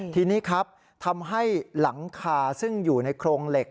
ทีนี้ครับทำให้หลังคาซึ่งอยู่ในโครงเหล็ก